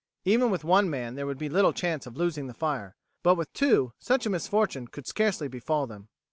Even with one man there would be little chance of losing the fire, but with two such a misfortune could scarcely befall them.